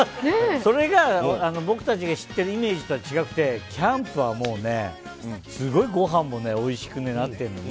それが、僕たちが知ってるイメージとは違くてキャンプはもうすごいごはんもおいしくなってる。